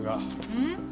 うん？